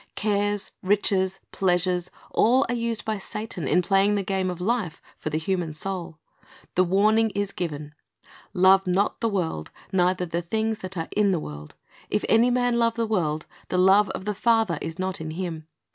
Cares, riches, pleasures, all are used by Satan in playing the game of life for the human soiil. The warning is given, "Love not the world, neither the things that are in the world. If any man love the world, the love of the Father is not in him.